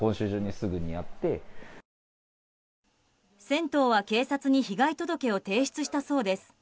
銭湯は警察に被害届を提出したそうです。